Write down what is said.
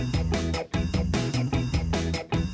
สวัสดีค่ะ